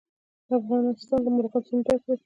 افغانستان له مورغاب سیند ډک دی.